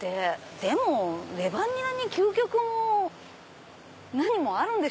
でもレバニラに究極も何もある？